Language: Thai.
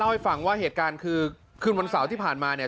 ให้ฟังว่าเหตุการณ์คือคืนวันเสาร์ที่ผ่านมาเนี่ย